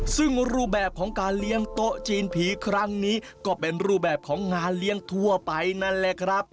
ซึ่งรูปแบบของการเลี้ยงโต๊ะจีนผีครั้งนี้ก็เป็นรูปแบบของงานเลี้ยงทั่วไปนั่นแหละครับ